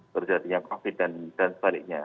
terjadinya covid sembilan belas dan sebaliknya